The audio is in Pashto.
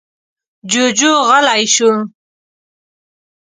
جوجو غلی شو.